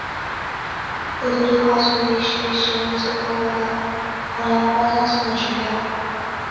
核独立化学位移是被使用得最广泛的衡量芳香性的指标。